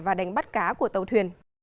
và đánh bắt cá của tàu thuyền